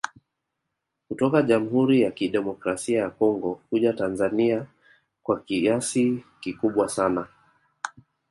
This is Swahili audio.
Kutoka jamhuri ya kidemokrasi ya Congo kuja Tanzania kwa kiasi kikubwa sana